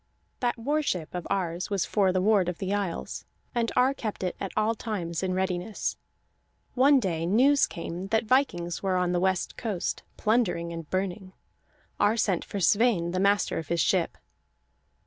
That war ship of Ar's was for the ward of the isles, and Ar kept it at all times in readiness. One day news came that vikings were on the west coast, plundering and burning. Ar sent for Sweyn, the master of his ship.